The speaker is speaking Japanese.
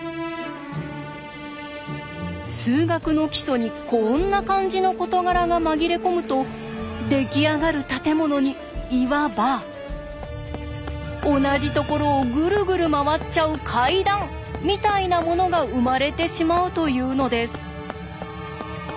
数学の基礎にこんな感じの事柄が紛れ込むと出来上がる建物にいわば同じところをグルグル回っちゃう階段みたいなものが生まれてしまうというのです。